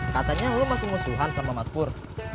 katanya lo masih musuhan sama mas pur